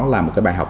là một cái bài học